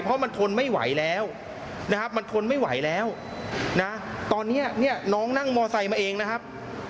เพราะมันทนไม่ไหวแล้วตอนนี้น้องนั่งมอไซค์มาเองนะครับ